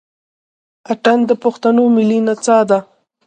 اتڼ د پښتنو ملي نڅا ده.